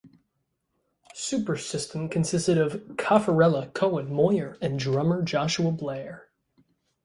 Supersystem consisted of Cafarella, Cohen, Moyer, and drummer Joshua Blair.